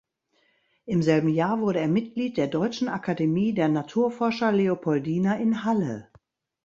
Im selben Jahr wurde er Mitglied der Deutschen Akademie der Naturforscher Leopoldina in Halle.